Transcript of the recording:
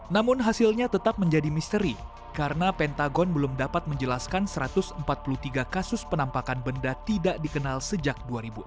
namun hasilnya tetap menjadi misteri karena pentagon belum dapat menjelaskan satu ratus empat puluh tiga kasus penampakan benda tidak dikenal sejak dua ribu enam belas